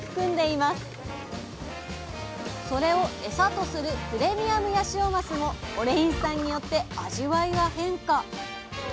それをエサとするプレミアムヤシオマスもオレイン酸によって味わいが変化。